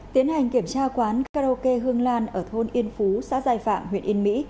tiến hành kiểm tra quán karaoke hương lan ở thôn yên phú xã giai phạm huyện yên mỹ